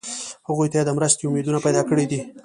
هغوی ته یې د مرستې امیدونه پیدا کړي دي.